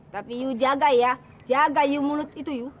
tapi iu jaga ya jaga iu mulut itu iu